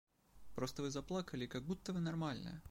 Просто Вы заплакали и как будто Вы нормальная.